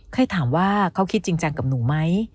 เคยถามว่าเขาคิดจริงจังกับหนูไหม